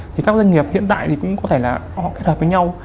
thì các doanh nghiệp hiện tại thì cũng có thể là họ kết hợp với nhau